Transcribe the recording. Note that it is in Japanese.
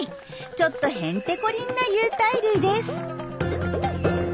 ちょっとへんてこりんな有袋類です。